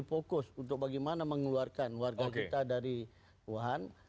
fokus untuk bagaimana mengeluarkan warga kita dari wuhan